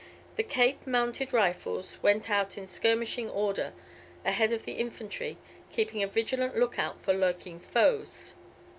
The Cape Mounted Rifles went out in skirmishing order, ahead of the infantry, keeping a vigilant look out for lurking foes.